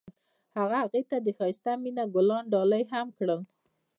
هغه هغې ته د ښایسته مینه ګلان ډالۍ هم کړل.